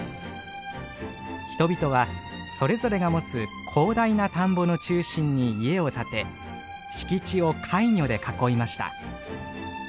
人々はそれぞれが持つ広大な田んぼの中心に家を建て敷地をカイニョで囲いました。